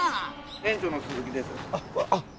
園長の鈴木です。